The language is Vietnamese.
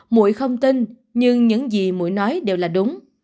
mũi không tin nhưng những gì mũi nói đều là đúng